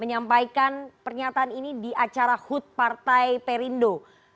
menyampaikan pernyataan ini di acara hut partai perindo